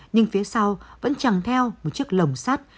nhưng phía sau vẫn chẳng theo một chiếc lồng sắt